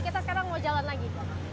kita sekarang mau jalan lagi